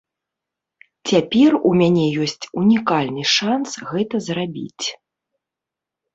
Цяпер у мяне ёсць унікальны шанс гэта зрабіць.